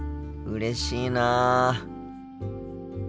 うれしいなあ。